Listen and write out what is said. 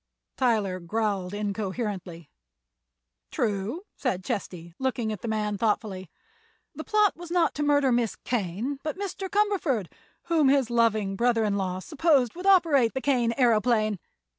Tyler growled incoherently. "True," said Chesty, looking at the man thoughtfully; "the plot was not to murder Miss Kane, but Mr. Cumberford, whom his loving brother in law supposed would operate the Kane aeroplane.